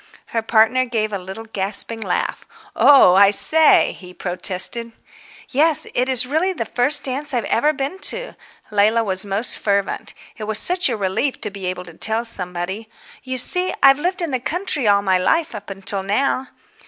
Her partner gave a little gasping laugh. "Oh, I say," he protested. "Yes, it is really the first dance I've ever been to." Leila was most fervent. It was such a relief to be able to tell somebody. "You see, I've lived in the country all my life up till now...."